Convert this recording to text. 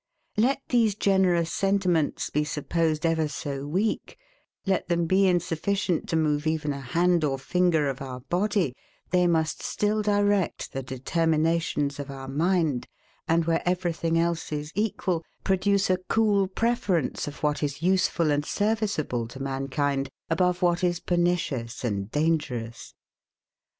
Let these generous sentiments be supposed ever so weak; let them be insufficient to move even a hand or finger of our body, they must still direct the determinations of our mind, and where everything else is equal, produce a cool preference of what is useful and serviceable to mankind, above what is pernicious and dangerous.